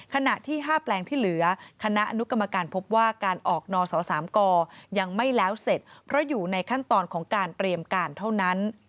ขณะที่๕แปลงที่เหลือคณะอนุกรรมการพบว่าการออกนส๓กยังไม่แล้วเสร็จเพราะอยู่ในขั้นตอนของการเตรียมการเท่านั้น